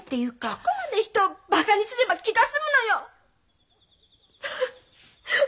どこまで人をバカにすれば気が済むのよ！